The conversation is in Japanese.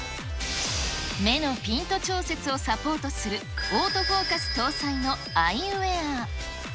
目のピント調節をサポートする、オートフォーカス搭載のアイウエア。